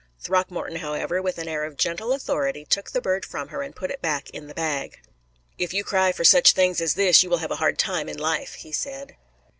Throckmorton, however, with an air of gentle authority, took the bird from her and put it back in the bag. "If you cry for such things as this, you will have a hard time in life," he said.